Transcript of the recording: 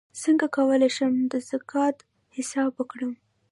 څنګه کولی شم د زکات حساب وکړم